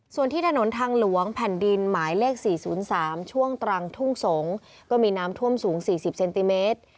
ส่วนที่ถนนทางหลวงแผ่นดินหมายเลข๔๐๓ช่วงตรังทุ่งสงศ์ก็มีน้ำท่วมสูง๔๐เซนติเมตร